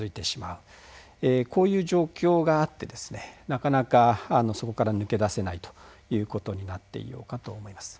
なかなかそこから抜け出せないということになっていようかと思います。